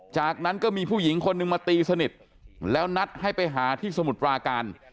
จากนั้นก็มีผู้หญิงคนนึงมาตีสนิทแล้วนัดให้ไปหาที่สมุทรปราการ